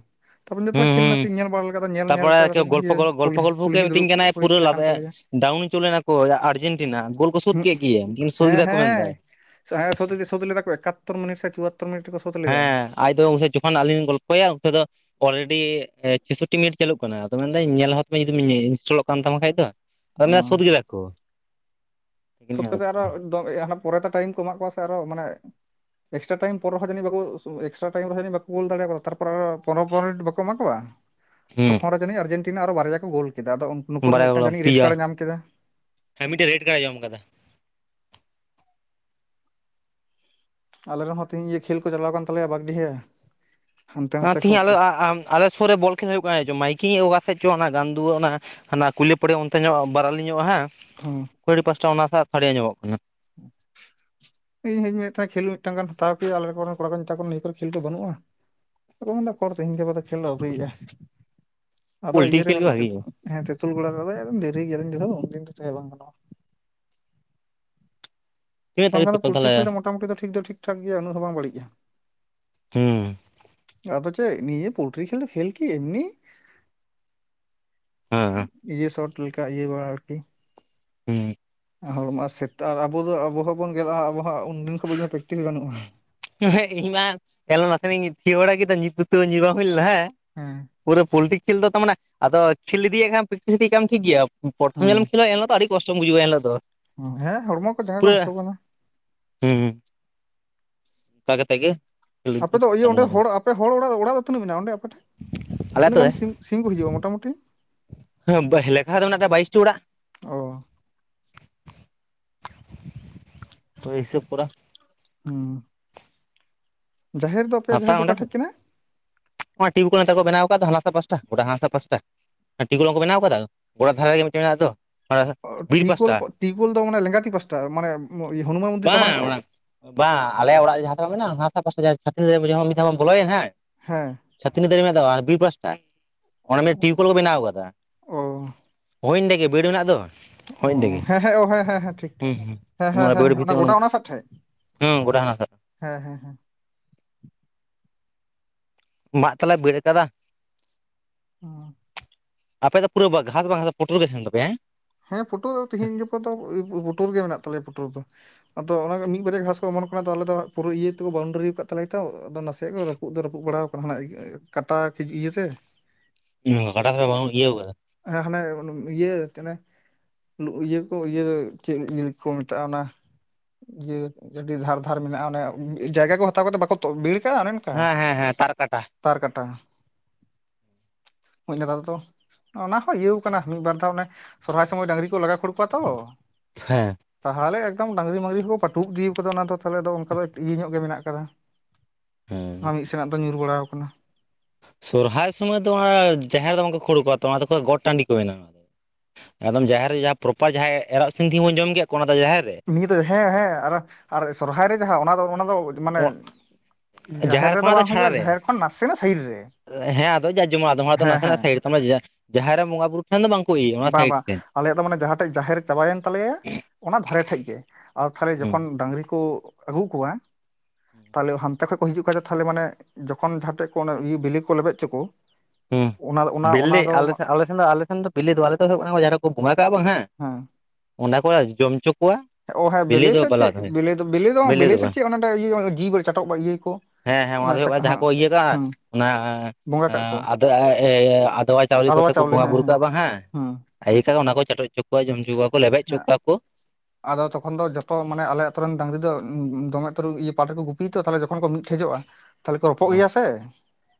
ᱛᱟᱯᱚᱨᱮ ᱦᱩᱸ ᱛᱟᱦᱞᱮ ᱠᱷᱮᱞ ᱱᱟᱥᱮ ᱦᱩᱸ ᱱᱟᱜ ᱧᱮᱞᱜᱤᱧ ᱛᱟᱯᱚᱨᱮ ᱜᱚᱞᱯᱚ ᱜᱚᱞᱯᱚ ᱜᱚᱞᱯᱚ ᱜᱮ ᱠᱩᱞᱦᱤ ᱢᱤᱛᱟᱹᱧ ᱫᱩᱲᱩᱵ ᱠᱟᱱᱟᱭ ᱦᱩᱭ ᱯᱩᱨᱟᱹ ᱛᱟᱦᱮᱸ ᱠᱟᱱ ᱛᱟᱞᱮᱭᱟ ᱰᱟᱣᱩᱱᱤ ᱪᱚᱞ ᱞᱮᱱᱟ ᱠᱩ ᱟᱨᱡᱮᱱᱴᱤᱱᱟ ᱜᱳᱞ ᱠᱚ ᱥᱳᱫ ᱦᱩᱸ ᱠᱮᱫ ᱜᱮᱭᱟ ᱥᱳᱫ ᱦᱮᱸ ᱠᱮᱫᱟ ᱠᱚ ᱢᱮᱱᱮᱫᱟᱭ ᱦᱮᱸ ᱦᱮᱸ ᱥᱳᱛ ᱥᱳᱛᱷ ᱞᱮᱫᱟ ᱠᱚ ᱮᱠᱟᱛᱚᱨ ᱢᱤᱱᱤᱴ ᱥᱮ ᱪᱩᱣᱟᱛᱚᱨ ᱢᱤᱱᱤᱴ ᱨᱮᱠᱚ ᱥᱳᱫ ᱞᱮᱫᱟ ᱦᱮᱸ ᱟᱡ ᱫᱚ ᱩᱱ ᱡᱚᱠᱷᱚᱱ ᱟᱹᱞᱤᱧ ᱜᱚᱞᱯᱚᱭᱟ ᱩᱱᱛᱮ ᱫᱚ ᱚᱞᱨᱮᱰᱤ ᱪᱳᱥᱚᱴᱴᱤ ᱢᱤᱱᱤᱴ ᱪᱟᱹᱞᱩᱜ ᱠᱟᱱᱟ ᱟᱫᱚ ᱢᱮᱱᱫᱟᱹᱧ ᱧᱮᱞ ᱦᱚᱫ ᱡᱩᱫᱤᱢ ᱤᱱᱥᱴᱚᱞᱚᱜ ᱠᱟᱱ ᱛᱟᱢᱟ ᱠᱷᱟᱡ ᱫᱚ ᱚᱱᱟ ᱚ ᱥᱩᱫ ᱠᱮᱫᱟ ᱠᱚ ᱥᱩᱛ ᱠᱟᱛᱮᱜ ᱟᱪᱪᱷᱟ ᱟᱨᱚ ᱯᱚᱨᱮᱛᱮ ᱴᱟᱭᱤᱢ ᱠᱚ ᱮᱢᱟᱜ ᱠᱚᱣᱟ ᱥᱮ ᱟᱨᱚ ᱢᱟᱱᱮ ᱮᱠᱥᱴᱨᱟ ᱴᱟᱭᱤᱢ ᱯᱚᱨ ᱨᱮᱦᱚ ᱡᱟᱹᱱᱤᱡ ᱵᱟᱠᱩ ᱮᱠᱥᱴᱨᱟ ᱴᱟᱭᱤᱢ ᱨᱮᱦᱚ ᱡᱟᱹᱱᱤᱡ ᱵᱟᱠᱩ ᱜᱳᱞ ᱫᱟᱲᱮᱭᱟᱫᱟ ᱛᱟᱨᱯᱚᱨᱮ ᱯᱚᱱᱮᱨᱚ ᱯᱚᱱᱮᱨᱳ ᱢᱤᱱᱤᱴ ᱵᱟᱠᱚ ᱮᱢᱟ ᱠᱚᱣᱟ ᱦᱩᱸ ᱛᱚᱠᱷᱚᱱ ᱡᱟᱹᱱᱤᱡ ᱟᱨᱡᱮᱱᱴᱤᱱᱟ ᱟᱨᱚ ᱵᱟᱨᱭᱟ ᱠᱚ ᱜᱳᱞ ᱠᱮᱫᱟ ᱟᱫᱚ ᱱᱩᱠᱩ ᱨᱮᱱ ᱢᱤᱫᱴᱟᱝ ᱡᱟᱹᱱᱤᱡ ᱨᱮᱰ ᱠᱟᱲᱮ ᱧᱟᱢ ᱠᱮᱫᱟ ᱾ ᱦᱮ ᱢᱤᱫᱴᱮᱡ ᱨᱮᱰ ᱠᱟᱲᱮ ᱡᱚᱢ ᱟᱠᱟᱫᱟ ᱟᱞᱮ ᱨᱮᱱ ᱦᱚᱸ ᱛᱮᱦᱮᱧ ᱤᱭᱟᱹ ᱠᱷᱮᱞ ᱠᱚ ᱪᱟᱞᱟᱣ ᱠᱟᱱ ᱛᱟᱞᱮᱭᱟ ᱵᱟᱜᱰᱤᱦᱟ ᱾ ᱚᱱᱟ ᱛᱤᱦᱤᱧ ᱟᱞᱮ ᱟᱞᱮ ᱥᱩᱨ ᱨᱮ ᱵᱚᱞ ᱠᱷᱮᱞ ᱦᱩᱭᱩᱜ ᱠᱟᱱᱟ ᱪᱚᱝ ᱢᱟᱭᱠᱤᱝ ᱚᱠᱟ ᱥᱮᱫ ᱪᱚ ᱚᱱᱟ ᱜᱟᱱᱫᱩᱣᱟᱹ ᱚᱱᱟ ᱦᱟᱱᱟ ᱠᱩᱭᱞᱟᱹ ᱯᱟᱦᱟᱲᱤ ᱚᱱᱛᱮ ᱧᱚᱜ ᱵᱟᱨᱟᱞᱤ ᱧᱚᱜᱼᱟ ᱦᱮᱸ ᱦᱮᱸ ᱟᱲᱤ ᱯᱟᱥᱴᱟ ᱚᱱᱟ ᱥᱟᱰᱤ ᱟᱸᱡᱚᱢᱚᱜ ᱠᱟᱱᱟ ᱤᱧ ᱦᱚᱧ ᱢᱮᱱᱮᱫ ᱛᱟᱦᱮ ᱠᱷᱮᱞ ᱢᱤᱫᱴᱟᱝ ᱜᱟᱱ ᱦᱟᱛᱟᱣ ᱠᱮᱭᱟ ᱟᱞᱮ ᱠᱚᱨᱮᱱ ᱠᱚᱲᱟ ᱠᱚ ᱢᱮᱛᱟ ᱠᱚᱣᱟ ᱱᱤᱭᱟᱹ ᱠᱚᱨᱮ ᱠᱷᱮᱞ ᱫᱚ ᱵᱟᱹᱱᱩᱜᱼᱟ ᱚᱠᱚᱨ ᱛᱤᱦᱤᱧ ᱜᱟᱯᱟ ᱫᱚ ᱠᱷᱮᱞ ᱫᱚ ᱟᱹᱣᱨᱤᱭᱟᱜᱼᱟ ᱟᱫᱚ ᱤᱭᱟᱹ ᱯᱳᱞᱴᱤ ᱨᱮ ᱠᱷᱮᱞ ᱜᱮ ᱵᱷᱟᱜᱮᱭᱟ ᱛᱮᱛᱩᱞ ᱜᱚᱲᱲᱟ ᱨᱮᱫᱚ ᱫᱮᱨᱤ ᱜᱮᱭᱟ ᱩᱱ ᱫᱤᱱ ᱫᱚ ᱵᱟᱝ ᱜᱟᱱᱚᱜᱼᱟ ᱛᱤᱱᱟᱹᱜ ᱛᱟᱹᱨᱤᱠᱷ ᱵᱟᱝᱠᱷᱟᱱ ᱫᱚ ᱛᱚᱠᱷᱚᱱ ᱯᱩᱞᱴᱤ ᱠᱷᱮᱞ ᱛᱟᱦᱚᱞᱮ ᱫᱚ ᱢᱚᱴᱟᱢᱩᱴᱤ ᱫᱚ ᱴᱷᱤᱠ ᱫᱚ ᱴᱷᱤᱠ ᱴᱷᱟᱠ ᱜᱮᱭᱟ ᱩᱱᱟᱹᱜ ᱫᱚ ᱵᱟᱝ ᱵᱟᱹᱲᱤᱡᱼᱟ ᱦᱩᱸ ᱟᱫᱚ ᱪᱮᱫ ᱱᱤᱭᱟᱹ ᱯᱳᱞᱴᱨᱤ ᱠᱷᱮᱞ ᱠᱷᱮᱞ ᱠᱤ ᱮᱢᱱᱤ ᱦᱮᱸ ᱥᱚᱨᱴ ᱞᱮᱠᱟ ᱟᱨᱠᱤ ᱦᱩᱸ ᱦᱚᱲᱚᱢᱚ ᱥᱮᱛᱟᱜ ᱟᱨ ᱟᱵᱚ ᱫᱚ ᱟᱵᱚ ᱦᱚᱸ ᱵᱚᱱ ᱜᱮᱫ-ᱟ ᱟᱵᱚᱦᱚ ᱩᱱᱫᱤᱱ ᱠᱷᱚᱱᱚᱡ ᱵᱟᱹᱧ ᱯᱨᱮᱠᱴᱤᱥ ᱵᱟᱹᱱᱩᱜ-ᱟ ᱦᱮᱸ ᱤᱧ ᱢᱟ ᱮᱞᱚᱢ ᱱᱟᱥᱮ ᱤᱧ ᱛᱷᱤᱭᱟᱹ ᱵᱟᱲᱟ ᱠᱮᱫᱟ ᱧᱤᱨ ᱵᱟᱝ ᱦᱩᱭ ᱞᱮᱱᱟ ᱦᱮᱸ ᱦᱮᱸ ᱯᱩᱨᱟᱹ ᱯᱳᱞᱴᱤ ᱠᱷᱮᱞ ᱫᱚ ᱛᱚ ᱢᱟᱱᱮ ᱟᱫᱚ ᱠᱷᱮᱞ ᱤᱫᱤᱭᱮᱫ ᱠᱷᱟᱱᱮᱢ ᱯᱮᱠᱴᱤᱥ ᱤᱫᱤᱭᱮᱫ ᱠᱷᱟᱱ ᱴᱤᱠ ᱜᱮᱭᱟ ᱯᱨᱚᱛᱷᱚᱢ ᱡᱮ ᱦᱤᱞᱚᱜ ᱦᱩᱸ ᱠᱷᱮᱞᱟ ᱮᱱᱦᱤᱞᱳᱜ ᱫᱚ ᱟᱹᱰᱤ ᱠᱚᱥᱴᱚᱢ ᱵᱩᱡᱷᱟᱹᱣᱟ ᱮᱱ ᱦᱤᱞᱚᱜ ᱫᱚ ᱦᱮᱸ ᱦᱚᱲᱢᱚ ᱠᱚ ᱡᱟᱜᱟᱸ ᱠᱚ ᱯᱩᱨᱟᱹ ᱦᱟᱹᱥᱩ ᱠᱟᱱᱟ ᱾ ᱦᱩᱸ ᱚᱱᱠᱟ ᱠᱟᱛᱮ ᱜᱮ ᱟᱞᱮ ᱟᱯᱮ ᱫᱚ ᱤᱭᱟᱹ ᱚᱸᱰᱮ ᱦᱚᱲ ᱟᱯᱮ ᱦᱚᱲ ᱚᱲᱟᱜ ᱚᱲᱟᱜ ᱫᱚ ᱛᱤᱱᱟᱹᱜ ᱢᱮᱱᱟᱜ ᱢᱮᱱᱟᱜᱼᱟ ᱚᱸᱰᱮ ᱟᱯᱮ ᱴᱷᱮᱱ ᱛᱤᱱᱟᱹᱜ ᱟᱹᱛᱩ ᱜᱟᱱ ᱨᱮ ᱥᱤᱢ ᱥᱤᱢ ᱠᱚ ᱦᱤᱡᱩᱜᱼᱟ ᱢᱚᱴᱟᱢᱩᱴᱤ ᱦᱮᱸ ᱞᱮᱠᱷᱟ ᱫᱚ ᱵᱟᱭᱤᱥᱴᱤ ᱚᱲᱟᱜ ᱚ [unintelligible] ᱦᱤᱥᱟᱹᱵᱽ ᱠᱚᱨᱟ ᱦᱩᱸ ᱡᱟᱦᱮᱨ ᱫᱚ ᱟᱯᱮᱭᱟᱜ ᱡᱟᱦᱮᱨ ᱜᱟᱯᱟ ᱫᱚ ᱚᱸᱰᱮ ᱚᱠᱟ ᱴᱷᱮᱡ ᱠᱟᱱᱟ ᱴᱤᱭᱩᱵ ᱠᱚᱞ ᱱᱮᱛᱟᱨ ᱠᱚ ᱵᱮᱱᱟᱣ ᱟᱠᱟᱫ ᱫᱚ ᱦᱟᱱᱟ ᱥᱟᱜ ᱯᱟᱥᱴᱟ ᱜᱚᱰᱟ ᱦᱟᱱᱟ ᱯᱟᱥᱴᱟ ᱴᱤᱭᱩᱵ ᱠᱚᱞ ᱵᱟᱝ ᱠᱚ ᱵᱮᱱᱟᱣ ᱟᱠᱟᱫᱟ ᱜᱚᱰᱟ ᱫᱷᱟᱨᱮ ᱨᱮᱜᱮ ᱢᱤᱫᱴᱮᱱ ᱢᱮᱱᱟᱜ ᱫᱚ ᱵᱤᱨ ᱴᱤᱭᱩ ᱠᱚᱞ ᱯᱟᱥᱴᱟ ᱴᱤᱭᱩ ᱠᱚᱞ ᱫᱚ ᱢᱟᱱᱮ ᱞᱮᱸᱜᱟᱛᱤ ᱯᱟᱥᱴᱟ ᱢᱟᱱᱮ ᱦᱚᱱᱩᱢᱟᱱ ᱢᱚᱱᱫᱤᱨ ᱥᱟᱢᱟᱝ ᱵᱟᱝ ᱴᱷᱮᱡ ᱚᱱᱟ ᱵᱟᱝ ᱟᱞᱮᱭᱟᱜ ᱚᱲᱟᱜ ᱨᱮ ᱡᱟᱦᱟᱸ ᱥᱮᱫ ᱵᱟᱝ ᱢᱮᱱᱟᱜᱼᱟ ᱟᱥᱮ ᱯᱟᱥᱮ ᱪᱷᱟᱛᱱᱤ ᱫᱟᱨᱮ ᱵᱚᱱ ᱵᱚᱞᱚᱭᱮᱱ ᱦᱮᱸ ᱦᱮᱸ ᱪᱷᱟᱹᱛᱱᱤ ᱫᱟᱨᱤ ᱢᱮᱱᱟᱜ ᱛᱟᱠᱚᱣᱟ ᱵᱤᱨ ᱯᱟᱥᱴᱟ ᱚᱱᱟ ᱢᱤᱫ ᱴᱤᱭᱩᱵᱞ ᱠᱚ ᱵᱮᱱᱟᱣ ᱠᱟᱫᱟ ᱚ ᱦᱳᱭ ᱚᱸᱰᱮ ᱜᱮ ᱵᱤᱲ ᱨᱮᱱᱟᱜ ᱫᱚ ᱦᱳᱭ ᱚ ᱚᱸᱰᱮ ᱜᱮ ᱦᱮᱸ ᱦᱮᱸ ᱦᱮᱸ ᱦᱮᱸ ᱦᱮᱸ ᱴᱷᱤᱠ ᱦᱩᱸ ᱦᱩᱸ ᱦᱮᱸ ᱦᱮᱸ ᱵᱟᱹᱲ ᱦᱮ ᱚᱱᱟ ᱵᱷᱤᱛᱤᱨ ᱜᱚᱰᱟ ᱚᱱᱟ ᱥᱟᱜ ᱴᱷᱮᱡ ᱦᱩᱸ ᱜᱚᱰᱟ ᱦᱟᱱᱟ ᱥᱟᱜ ᱦᱮᱸ ᱦᱮᱸ ᱦᱮᱸ ᱢᱟᱜ ᱛᱟᱞᱮ ᱵᱮᱲ ᱟᱠᱟᱫᱟ ᱚᱸ ᱟᱯᱮ ᱫᱚ ᱯᱩᱨᱟᱹ ᱜᱷᱟᱥ ᱵᱟᱝ ᱯᱚᱴᱩᱨ ᱜᱮ ᱛᱟᱦᱮᱱ ᱛᱟᱯᱮᱭᱟ ᱦᱮ ᱦᱮᱸ ᱯᱳᱴᱳᱨ ᱫᱚ ᱛᱮᱦᱮᱧ ᱜᱟᱯᱟ ᱫᱚ ᱯᱩᱴᱩᱨ ᱜᱮ ᱢᱮᱱᱟᱜ ᱛᱟᱞᱮᱭᱟ ᱯᱩᱴᱩᱨ ᱫᱚ ᱟᱫᱚ ᱚᱱᱟᱜᱮ ᱢᱤᱫ ᱵᱟᱨᱮ ᱜᱷᱟᱥ ᱠᱚ ᱮᱢᱚᱱ ᱠᱟᱱᱟ ᱛ ᱟᱞᱮ ᱫᱚ ᱯᱩᱨᱟᱹ ᱤᱭᱟᱹ ᱛᱮᱠᱚ ᱵᱟᱣᱩᱱᱰᱨᱤ ᱟᱠᱟᱫᱟ ᱛᱟᱦᱞᱮ ᱛᱚ ᱟᱫᱚ ᱱᱟᱥᱮᱭᱟᱜ ᱜᱮ ᱨᱟᱹᱯᱩᱫ ᱫᱚ ᱨᱟᱹᱯᱩᱫ ᱵᱟᱲᱟ ᱠᱟᱱᱟ ᱠᱟᱴᱟ ᱤᱭᱟᱹᱛᱮ ᱜᱚᱴᱟ ᱥᱮᱫ ᱫᱚ ᱵᱟᱝ ᱤᱭᱟᱹ ᱦᱮᱸ ᱦᱟᱱᱮ ᱤᱭᱟᱹ ᱤᱭᱟᱹ ᱠᱚ ᱤᱭᱟᱹ ᱫᱚ ᱪᱮᱫ ᱤᱭᱟᱹ ᱠᱚ ᱢᱮᱛᱟᱜᱼᱟ ᱚᱱᱟ ᱡᱮ ᱟᱹᱰᱤ ᱫᱷᱟᱨ ᱫᱷᱟᱨ ᱢᱮᱱᱟᱜᱼᱟ ᱚᱱᱮ ᱡᱟᱭᱜᱟ ᱠᱚ ᱦᱟᱛᱟᱣ ᱠᱟᱛᱮ ᱵᱟᱠᱚ ᱵᱮᱲ ᱠᱟᱜᱼᱟ ᱚᱱᱠᱟ ᱦᱮᱸ ᱦᱮᱸ ᱦᱮᱸ ᱛᱟᱨ ᱠᱟᱴᱟ ᱛᱟᱨ ᱠᱟᱴᱟ [unintelligible] ᱛᱚ ᱚᱱᱟ ᱦᱚᱸ ᱤᱭᱟᱹᱣ ᱠᱟᱱᱟ ᱢᱤᱫ ᱵᱟᱨ ᱫᱷᱟᱣ ᱚᱱᱮ ᱥᱚᱨᱦᱟᱭ ᱥᱚᱢᱚᱭ ᱰᱟᱝᱨᱤ ᱠᱚ ᱞᱟᱜᱟ ᱠᱷᱟᱹᱲ ᱠᱚᱣᱟ ᱛᱚ ᱦᱮᱸ ᱛᱟᱦᱚᱞᱮ ᱮᱠᱫᱚᱢ ᱰᱟᱝᱨᱤ ᱢᱟᱝᱨᱤ ᱠᱚ ᱯᱟᱹᱴᱩᱵ ᱤᱫᱤ ᱠᱟᱫᱟ, ᱚᱱᱟ ᱫᱚ ᱛᱟᱦᱚᱞᱮ ᱫᱚ ᱚᱱᱠᱟ ᱫᱚ ᱤᱭᱟᱹ ᱧᱚᱜ ᱜᱮ ᱢᱮᱱᱟᱜ ᱠᱟᱫᱟ ᱦᱮᱸ ᱟᱨ ᱢᱤᱫ ᱥᱮᱱᱟᱜ ᱫᱚ ᱧᱩᱨ ᱵᱟᱲᱟᱣ ᱠᱟᱱᱟ ᱥᱚᱦᱨᱟᱭ ᱥᱚᱢᱚᱭ ᱫᱚ ᱚᱱᱟ ᱡᱟᱦᱮᱨ ᱫᱚ ᱵᱟᱝᱠᱚ ᱠᱷᱳᱲ ᱠᱚᱣᱟ ᱛᱚ ᱚᱱᱟ ᱫᱚᱠᱚ ᱜᱚᱴ ᱴᱟᱺᱰᱤ ᱠᱚ ᱵᱮᱱᱟᱣᱟ ᱮᱠᱫᱚᱢ ᱡᱟᱦᱮᱨ ᱨᱮ ᱡᱟᱦᱟᱸ ᱯᱨᱚᱯᱟᱨ ᱡᱟᱦᱟᱸᱭ ᱮᱨᱚᱜ ᱥᱤᱢ ᱛᱤᱦᱤᱧ ᱵᱚᱱ ᱡᱚᱢ ᱠᱮᱫ ᱠᱚ ᱚᱱᱟ ᱫᱚ ᱡᱟᱦᱮᱨ ᱨᱮ ᱱᱤᱭᱟᱹ ᱫᱚ ᱦᱮᱸ ᱦᱮᱸ ᱟᱨ ᱥᱚᱨᱦᱟᱭ ᱨᱮ ᱡᱟᱦᱟᱸ ᱚᱱᱟ ᱫᱚ ᱚᱱᱟ ᱫᱚ ᱢᱟᱱᱮ ᱡᱟᱦᱮᱨ ᱨᱮᱫᱚ ᱠᱷᱚᱱᱟᱜ ᱫᱚ ᱵᱟᱝ ᱪᱷᱟᱲᱟ ᱦᱩᱭᱩᱜᱼᱟ ᱨᱮ, ᱡᱟᱦᱮᱨ ᱠᱷᱚᱱ ᱱᱟᱥᱮᱱᱟᱜ ᱥᱟᱭᱤᱰ ᱨᱮ ᱦᱮᱸ ᱟᱫᱚ ᱡᱟᱨ ᱡᱚᱢᱚᱱ ᱟᱫᱚᱢ ᱦᱮᱸ ᱦᱮᱸ ᱱᱟᱥᱮᱱᱟᱜ ᱥᱟᱭᱤᱰ ᱛᱚᱢᱟ ᱡᱟᱦᱮ ᱡᱟᱦᱮᱨ ᱨᱮᱱ ᱵᱚᱸᱜᱟ ᱵᱩᱨᱩ ᱠᱷᱟᱱ ᱫᱚ ᱵᱟᱝ ᱠᱚ ᱤᱭᱟᱹᱭᱟ ᱚᱱᱟ ᱵᱟᱝ ᱥᱟᱭᱤᱰ ᱵᱟᱝ ᱥᱮᱱ ᱟᱞᱮᱭᱟᱜ ᱫᱚ ᱢᱟᱱᱮ ᱡᱟᱦᱟᱸ ᱴᱷᱮᱡ ᱡᱟᱦᱮᱨ ᱪᱟᱞᱟᱭᱮᱱ ᱛᱟᱞᱮᱭᱟ ᱚᱱᱟ ᱫᱷᱟᱨᱮ ᱴᱷᱮᱡ ᱜᱮ ᱟᱨ ᱛᱟᱦᱞᱮ ᱦᱩᱸ ᱡᱚᱠᱷᱚᱱ ᱰᱟᱹᱝᱨᱤ ᱠᱚ ᱟᱹᱜᱩ ᱠᱚᱣᱟ ᱛᱟᱦᱞᱮ ᱦᱟᱱᱛᱮ [inaudible] ᱠᱷᱚᱡ ᱠᱚ ᱦᱤᱡᱩᱜ ᱠᱷᱟᱡ ᱛᱟᱦᱚᱞᱮ ᱢᱟᱱᱮ ᱡᱚᱠᱷᱚᱱ ᱡᱟᱦᱟᱸ ᱴᱷᱮᱡ ᱠᱚ ᱚᱱᱮ ᱵᱮᱞᱮ ᱠᱚ ᱞᱮᱵᱮᱜ ᱚᱪᱚ ᱠᱚ ᱦᱮᱸ ᱚᱱᱟ ᱚᱱᱟ ᱵᱮᱞᱮ ᱚᱱᱟ ᱫᱚ ᱟᱞᱮ ᱢᱟ ᱟᱞᱮ ᱥᱮᱱ ᱫᱚ ᱟᱞᱮ ᱥᱮᱱ ᱫᱚ ᱵᱮᱞᱮ ᱫᱚᱵᱟ ᱟᱞᱮ ᱫᱚ ᱦᱳᱭᱳᱜ ᱠᱟᱱᱟ ᱠᱚ ᱡᱟᱦᱟᱸ ᱨᱮᱠᱚ ᱵᱚᱸᱜᱟ ᱠᱟᱜ-ᱟ ᱵᱟᱝ ᱦᱮᱸ ᱦᱮᱸ ᱚᱱᱟ ᱠᱚ ᱡᱚᱢ ᱦᱚᱪᱚ ᱠᱚᱣᱟ ᱚ ᱦᱮᱸ ᱵᱤᱞᱤ ᱵᱮᱞᱮ ᱫᱚ ᱥᱮ ᱪᱮᱫ ᱵᱟᱞᱟ ᱵᱮᱞᱮ ᱫᱚ ᱵᱮᱞᱮ ᱫᱚ ᱵᱤᱞᱤ ᱵᱮᱞᱮ ᱥᱮ ᱵᱟᱝ ᱪᱮᱫ ᱚᱱᱟ ᱱᱟᱰᱮ ᱤᱭᱟᱹ ᱡᱤ ᱪᱟᱴᱚᱜ ᱤᱭᱟᱹ ᱟᱠᱚ ᱦᱮᱸ ᱦᱮᱸ ᱚᱱᱟ ᱫᱚ ᱦᱳᱭᱳᱜ ᱡᱟᱦᱟᱸ ᱠᱚ ᱤᱭᱟᱹ ᱠᱟᱜ-ᱟ ᱚᱱᱟ ᱵᱚᱸᱜᱟ ᱠᱟᱜ ᱠᱚ ᱟ-ᱮ ᱟᱫᱣᱟ ᱪᱟᱣᱞᱮ ᱠᱚᱛᱮ ᱠᱚ ᱵᱚᱸᱜᱟ ᱵᱩᱨᱩ ᱠᱟᱜ-ᱟ ᱵᱟᱝ ᱦᱮᱸ ᱤᱭᱟᱹ ᱠᱟᱜ ᱚᱱᱟ ᱠᱚ ᱪᱟᱴᱚᱜ ᱦᱚᱪᱚ ᱠᱚ ᱡᱚᱢ ᱦᱚᱪᱚ ᱠᱚᱣᱟ ᱠᱚ ᱞᱮᱵᱮᱫ ᱦᱚᱪᱚ ᱠᱚᱣᱟ ᱠᱚ ᱟᱫᱚ ᱛᱚᱠᱷᱚᱱ ᱫᱚ ᱡᱚᱛᱚ ᱢᱟᱱᱮ ᱟᱞᱮ ᱟᱛᱳ ᱨᱮᱱ ᱰᱟᱝᱨᱤ ᱫᱚ ᱫᱚᱢᱮ [inaudible] ᱤᱭᱟᱹ ᱯᱟᱴ ᱨᱮᱠᱚ ᱜᱩᱯᱤᱭᱟᱛᱚ ᱛᱟᱦᱞᱮ ᱡᱚᱠᱷᱚᱱ ᱠᱚ ᱢᱤᱫᱴᱷᱮᱡᱚᱜᱼᱟ᱾ ᱛᱟᱦᱞᱮ ᱠᱚ ᱨᱚᱯᱚᱜ ᱦᱮᱸ ᱜᱮᱭᱟ ᱥᱮ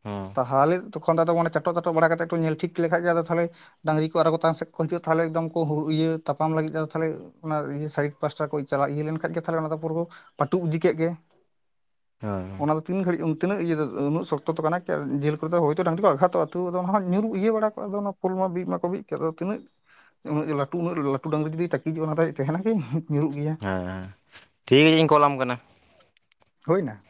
ᱦᱮᱸ ᱛᱟᱦᱟᱞᱮ ᱛᱚᱠᱷᱚᱱ ᱫᱚ ᱟᱫᱚ ᱢᱟᱱᱮ ᱪᱟᱴᱚᱜ ᱪᱟᱴᱚᱜ ᱵᱟᱲᱟ ᱠᱟᱛᱮᱜ ᱧᱮᱞ ᱴᱷᱤᱠ ᱞᱮᱠᱷᱟᱡ ᱜᱮ ᱟᱫᱚ ᱛᱟᱦᱞᱮ ᱰᱟᱝᱨᱤ ᱠᱚ ᱟᱨᱚ ᱠᱚ ᱛᱟᱭᱚᱢ ᱥᱮᱫ ᱠᱚ ᱦᱤᱡᱩᱜᱼᱟ ᱛᱟᱦᱚᱞᱮ ᱮᱠᱫᱚᱢ ᱠᱚ ᱤᱭᱟᱹ ᱛᱟᱯᱟᱢ ᱞᱟᱹᱜᱤᱫᱟ ᱛᱟᱦᱞᱮ ᱚᱱᱟ ᱤᱭᱟᱹ ᱥᱟᱭᱤᱰ ᱯᱟᱥᱴᱟ ᱠᱚ ᱪᱟᱞᱟᱜ ᱤᱭᱟᱹ ᱞᱮᱱᱠᱷᱟᱡ ᱛᱟᱦᱞᱮ ᱚᱱᱟ ᱫᱚ ᱯᱩᱨᱟ. ᱠᱚ ᱯᱟᱹᱴᱩᱵ ᱤᱫᱤ ᱠᱮᱫ ᱜᱮ ᱦᱮᱸ ᱚᱱᱟ ᱫᱚ ᱛᱤᱱ ᱜᱷᱟᱹᱲᱤᱡ ᱛᱤᱱᱟᱹᱜ ᱤᱭᱟᱹ ᱫᱚ ᱩᱱᱟᱹᱜ ᱥᱚᱠᱛᱚ ᱛᱚ ᱠᱟᱱᱟ, ᱟᱨ ᱡᱮᱞ ᱠᱚᱨᱮ ᱫᱚ ᱦᱚᱭᱛᱚ ᱰᱟᱝᱨᱤ ᱠᱚ ᱟᱜᱷᱟᱛᱚᱜᱼᱟ ᱟᱹᱛᱩ ᱟᱫᱚ ᱱᱟᱦᱟᱜ ᱧᱩᱨᱩᱜ ᱤᱭᱟᱹ ᱵᱟᱲᱟ ᱠᱚᱜ-ᱟ ᱫᱚ ᱯᱚᱞ ᱢᱟ ᱵᱤᱫ ᱢᱟ ᱠᱚ ᱵᱤᱫ ᱟᱠᱟᱜ-ᱟ ᱛᱤᱱᱟᱹᱜ [inaudible] ᱩᱱᱟᱹᱜ ᱞᱟ. ᱴᱩ ᱰᱟᱝᱨᱤ ᱡᱩᱫᱤ ᱛᱟᱠᱤᱡᱚᱜᱼᱟ ᱚᱱᱟ ᱫᱚ ᱛᱟᱦᱮᱱᱟ ᱠᱤ ᱧᱩᱨᱩᱜ ᱜᱮᱭᱟ ᱦᱮᱸ ᱦᱮᱸ ᱴᱷᱤᱠ [inaudible] ᱠᱚᱞᱟᱢ ᱠᱟᱱᱟ ᱦᱳᱭ ᱱᱟ